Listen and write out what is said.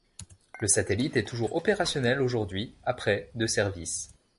Le satellite est toujours opérationnel aujourd'hui après de service.